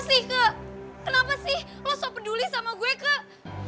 lo sih kak kenapa sih lo sok peduli sama gue kak